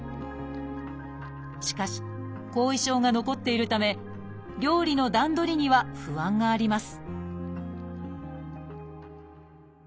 しかし後遺症が残っているため料理の段取りには不安があります